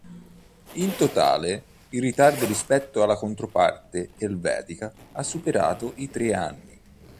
In totale, il ritardo rispetto alla controparte elvetica ha superato i tre anni.